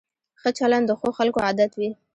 ښه چلند د ښو خلکو عادت وي.